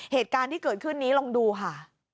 เหตุการณ์ที่เกิดขึ้นนี้ลองดูค่ะ